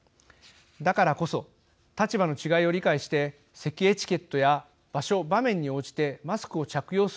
だからこそ立場の違いを理解してせきエチケットや場所場面に応じてマスクを着用するなどの対応。